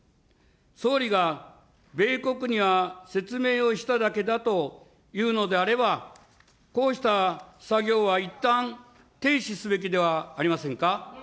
総理が、米国には説明をしただけだというのであれば、こうした作業はいったん停止すべきではありませんか。